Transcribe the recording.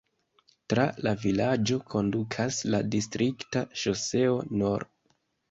Tra la vilaĝo kondukas la distrikta ŝoseo nr.